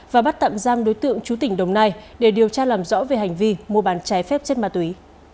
và bắt tạm giam đối tượng chú tỉnh đồng nai để điều tra làm rõ về hành vi mua bán trái phép chất ma túy